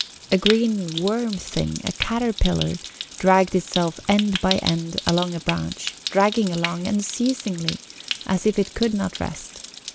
A green worm thing, a caterpillar, dragged itself end by end along a branch, dragging along unceasingly, as if it could not rest.